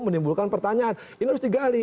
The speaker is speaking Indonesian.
menimbulkan pertanyaan ini harus digali